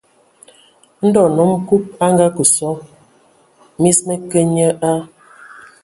Ndɔ nnom Kub a kǝ sɔ, mis mǝ kǝǝ nye a.